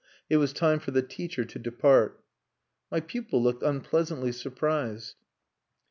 It was time for the teacher to depart. My pupil looked unpleasantly surprised.